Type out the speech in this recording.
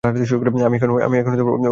আমি এখনও ওর কলিজা পোড়া গন্ধ পাচ্ছি।